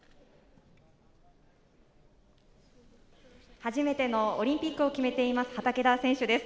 初めてのオリンピックを決めています、畠田選手です。